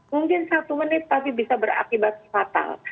mungkin satu menit tapi bisa berakibat fatal